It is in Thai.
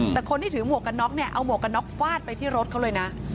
แต่คนที่ถือหมวกกันน็อกเนี่ยเอาหมวกกันน็อกฟาดไปที่รถเขาเลยนะ